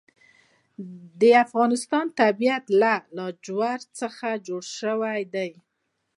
د افغانستان طبیعت له جواهرات څخه جوړ شوی دی.